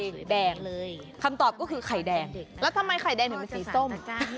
แล้วทำไมไข่แดงเหมือนสีส้ม